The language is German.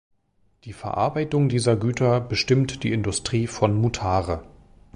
Die Verarbeitung dieser Güter bestimmt die Industrie von Mutare.